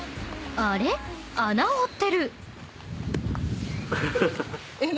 ［あれっ？穴掘ってる］